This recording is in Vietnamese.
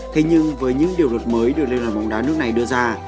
thế nhưng với những điều luật mới được liên đoàn bóng đá nước này đưa ra